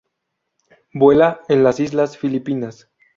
Vuela en las islas Filipinas.